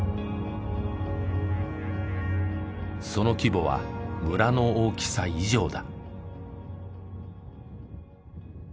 その規模は村の大きさ以上だ。